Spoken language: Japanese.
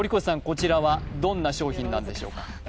こちらはどんな商品なんでしょうか？